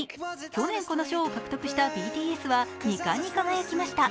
虚ね、この賞を獲得したＢＴＳは２冠に輝きました。